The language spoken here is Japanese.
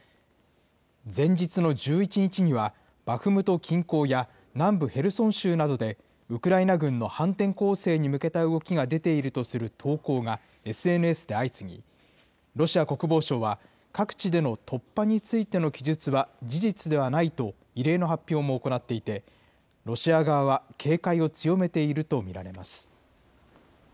前日の１１日には、バフムト近郊や南部ヘルソン州などでウクライナ軍の反転攻勢に向けた動きが出ているとする投稿がＳＮＳで相次ぎ、ロシア国防省は、各地での突破についての記述は事実ではないと、異例の発表も行っていて、ロシア側は警戒を強めていると見られます。